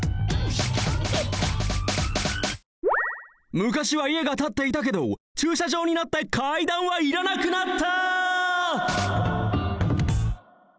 昔はいえがたっていたけどちゅうしゃじょうになって階段はいらなくなった！